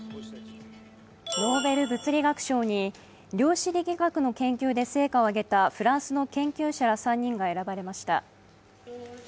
ノーベル物理学賞に量子力学の研究で成果を上げたフランスの研究者ら３人が選ばれました。